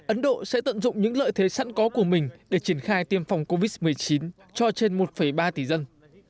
ấn độ sẽ tận dụng những lợi thế sẵn có của mình để triển khai tiêm phòng covid một mươi chín cho trên một ba tỷ dân